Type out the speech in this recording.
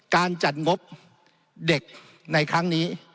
การจัดงบเด็กในครั้งนี้